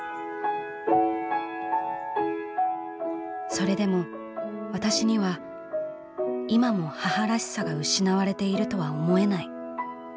「それでも私には今も母らしさが失われているとは思えない」。